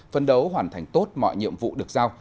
phân đấu hoàn thành tốt mọi nhiệm vụ được giao